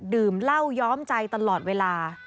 ดื่มเหล้าย้อมใจตลอดเวลา